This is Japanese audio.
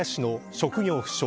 職業不詳